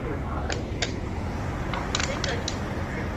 It does not take into account the time spent in sleep or hibernation mode.